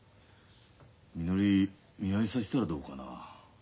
みのり見合いさせたらどうかな。